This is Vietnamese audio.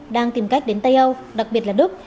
đang tìm cách đến tây âu đặc biệt là đức